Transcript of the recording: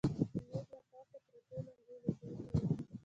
د مېز له پاسه پرتې لمبې لوګی کاوه.